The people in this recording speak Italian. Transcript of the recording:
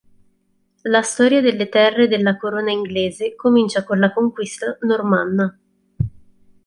La storia delle terre della Corona Inglese comincia con la conquista normanna.